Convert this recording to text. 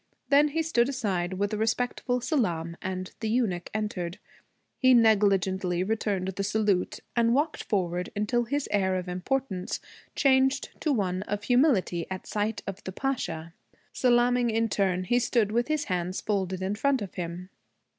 Then he stood aside with a respectful salaam, and the eunuch entered. He negligently returned the salute and walked forward until his air of importance changed to one of humility at sight of the Pasha. Salaaming in turn, he stood with his hands folded in front of him.